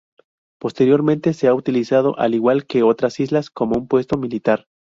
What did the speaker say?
Posteriormente se ha utilizado, al igual que otras islas, como un puesto militar.